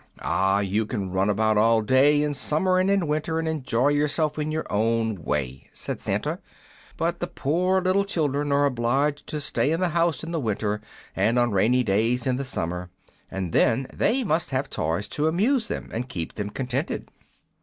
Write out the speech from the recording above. "'Ah, you can run about all day, in summer and in winter, and enjoy yourself in your own way,' said Santa; 'but the poor little children are obliged to stay in the house in the winter and on rainy days in the summer, and then they must have toys to amuse them and keep them contented.'